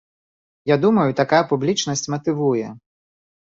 Я думаю, такая публічнасць матывуе.